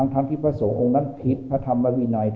ทั้งที่พระสงฆ์องค์นั้นผิดพระธรรมวินัย